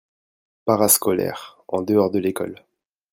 Parascolaire : En dehors de l'école.